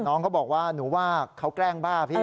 น้องเขาบอกว่าหนูว่าเขาแกล้งบ้าพี่